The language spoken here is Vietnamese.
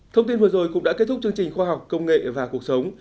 thông tin vừa rồi cũng đã kết thúc chương trình khoa học công nghệ và cuộc sống